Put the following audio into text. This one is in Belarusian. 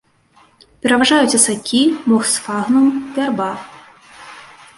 Пераважаюць асакі, мох сфагнум, вярба.